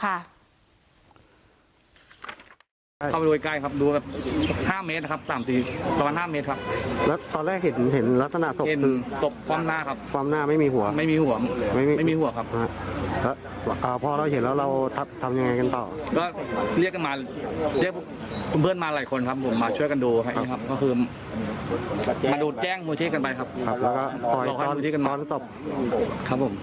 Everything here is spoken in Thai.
เข้าไปดูไว้ใกล้ครับดูแบบ๕เมตรครับตามสีประมาณ๕เมตรครับ